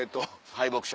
敗北者。